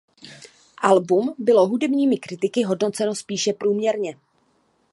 Album bylo hudebními kritiky hodnoceno spíše průměrně.